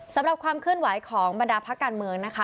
สำหรับความขึ้นไหวของบรรดาพักการเมืองนะคะ